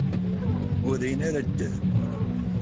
Ur rrin ara ddhen.